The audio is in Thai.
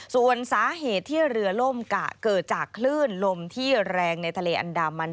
ส่วนสาเหตุที่เรือล่มกะเกิดจากคลื่นลมที่แรงในทะเลอันดามัน